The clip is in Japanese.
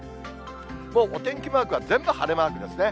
もうお天気マークは全部晴れマークですね。